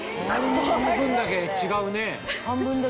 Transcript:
半分だけ違うね。